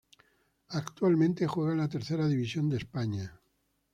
Actualmente juega en la Tercera División de España.